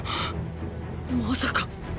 まさか。